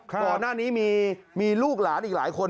ก่อนหน้านี้มีลูกหลานอีกหลายคน